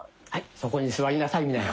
そこに座りなさい美奈代。